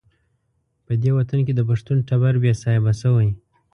په دې وطن کې د پښتون ټبر بې صاحبه شوی.